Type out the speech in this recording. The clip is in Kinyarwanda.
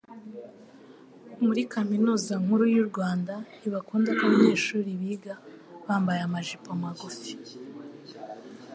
muri kaminuza nkuru y’urwanda ntibakundako abanyeshuri biga bambaye amajipo magufi